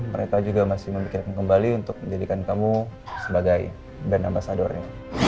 mereka juga masih memikirkan kembali untuk menjadikan kamu sebagai band ambasadornya